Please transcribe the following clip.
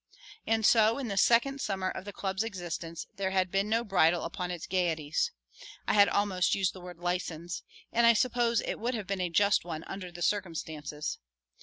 And so in the second summer of the Club's existence there had been no bridle upon its gayeties I had almost used the word license, and I suppose it would have been a just one under the circumstances.